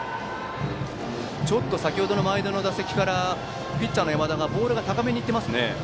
ちょっと先程の前田の打席からピッチャーの山田がボールが高めにいっています。